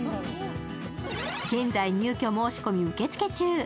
現在、入居申し込み受け付け中。